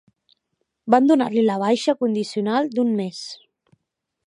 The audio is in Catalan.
Van donar-li la baixa condicional d'un mes.